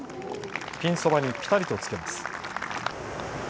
ピンそばにぴたりとつけます。